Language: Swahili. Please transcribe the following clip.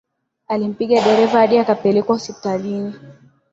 Alimpiga dereva hadi akapelekwa hospitalini